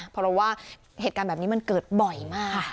เพราะเราว่าเหตุการณ์แบบนี้มันเกิดบ่อยมาก